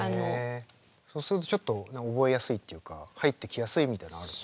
そうするとちょっと覚えやすいっていうか入ってきやすいみたいなのあるの？